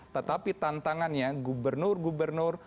tetapi tantangannya gubernur gubernur